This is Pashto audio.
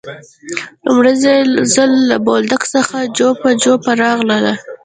لومړی ځل له بولدک څخه جوپه جوپه راغلل.